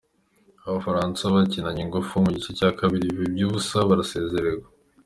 Abafaransa bakinanye ingufu mu gice cya kabiri biba iby'ubusa barasezererwa.